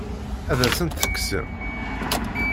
Ad asen-tt-tekksem?